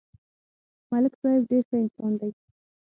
ملک صاحب ډېر ښه انسان دی